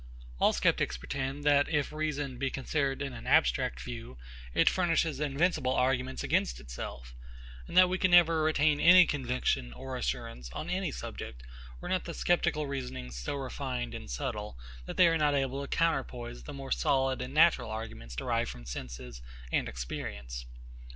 All sceptics pretend, that, if reason be considered in an abstract view, it furnishes invincible arguments against itself; and that we could never retain any conviction or assurance, on any subject, were not the sceptical reasonings so refined and subtle, that they are not able to counterpoise the more solid and more natural arguments derived from the senses and experience.